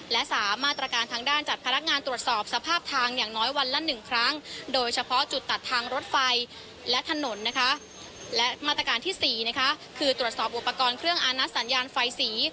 และถนนนะคะและมาตรการที่๔นะคะคือตรวจสอบอุปกรณ์เครื่องอานัดสัญญาณไฟ๔